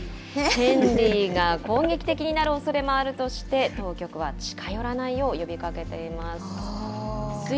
ヘンリーが攻撃的になるおそれもあるとして、当局は近寄らないよう呼びかけています。